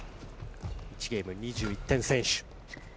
１ゲーム、２１点先取。